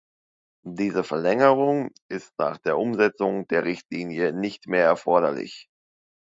Diese Verlängerung ist nach der Umsetzung der Richtlinie nicht mehr erforderlich.